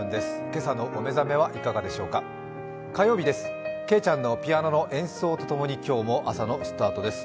けいちゃんのピアノの演奏と共に今日も朝のスタートです。